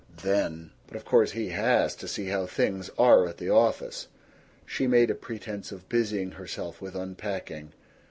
Then, "But of course he HAS to see how things are at the office " She made a pretense of busying herself with unpacking.